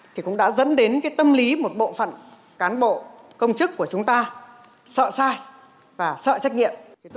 thì cũng đã dẫn đến tâm lý một bộ phận cán bộ công chức của chúng ta sợ sai và sợ trách nhiệm